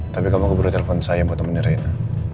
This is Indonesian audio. tapi kamu keburu telepon saya buat temennya rena